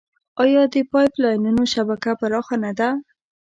آیا د پایپ لاینونو شبکه پراخه نه ده؟